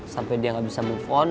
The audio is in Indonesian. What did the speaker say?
sampai dia nggak bisa move on